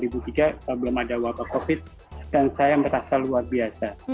belum ada wabah covid dan saya merasa luar biasa